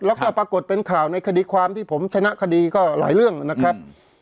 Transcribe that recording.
แล้วก็ปรากฏเป็นข่าวในคดีความที่ผมชนะคดีก็หลายเรื่องนะครับ